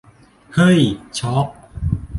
เฮ้ย ช็อค